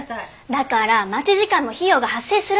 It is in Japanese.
だから待ち時間も費用が発生するんです。